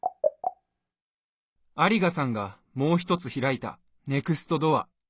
有賀さんがもう一つ開いたネクストドア。